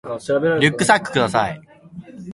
リュックサックください